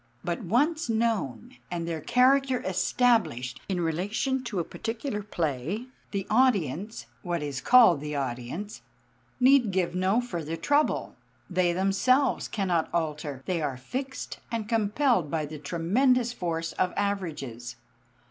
But once known and their character established in relation to a particular play, the audience what is called the audience need give no further trouble. They themselves cannot alter; they are fixed and compelled by the tremendous force of averages.